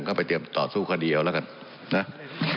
ก็ไปเตรียมต่อสู้คดีเดียวแล้วกันนะ